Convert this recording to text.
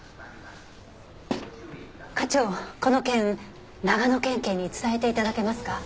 課長この件長野県警に伝えて頂けますか？